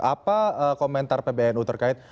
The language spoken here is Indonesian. apa komentar pbnu terkait